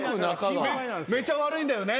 めちゃ悪いんだよね？